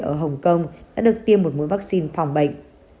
ở hồng kông đã được tiêm một mũi vaccine phòng bệnh